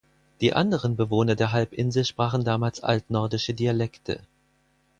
Die anderen Bewohner der Halbinsel sprachen damals altnordische Dialekte.